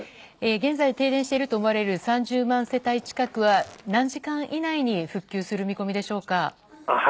現在、停電していると思われる３０万世帯近くは何時間以内に復旧する見込みですか。